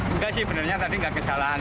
enggak sih benernya tadi nggak kesalahan